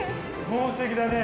もうすてきだね。